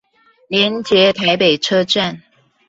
連結臺北車站